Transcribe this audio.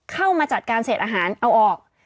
เข้ามาจัดการเศษอาหารเอาออก